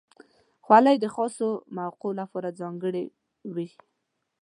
خولۍ د خاصو موقعو لپاره ځانګړې وي.